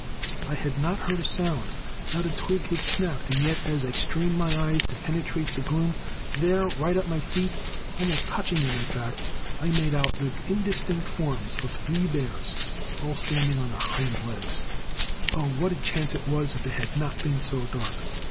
I had not heard a sound; not a twig had snapped, and yet, as I strained my eyes to penetrate the gloom, there, right at my feet, almost touching them in fact, I made out the indistinct forms of three bears all standing on their hind legs. Oh, what a chance it was if it had not been so dark!